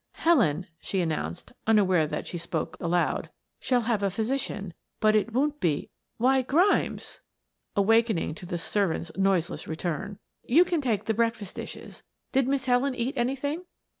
"Helen," she announced, unaware that she spoke loud, "shall have a physician, but it won't be why, Grimes," awakening to the servant's noiseless return. "You can take the breakfast dishes. Did Miss Helen eat anything?"